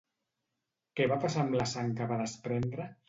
Què va passar amb la sang que va desprendre?